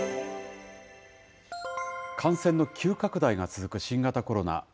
感染の急拡大が続く新型コロナ。